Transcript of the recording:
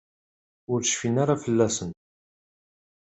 Ur cfin ara fell-asen.